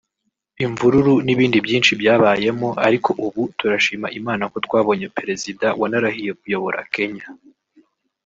imvururu n’ibindi byinshi byabayemo ariko ubu turashima Imana ko twabonye perezida wanarahiriye kuyobora Kenya